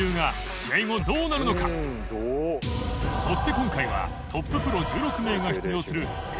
今回はトッププロ１６名が出場する腺烹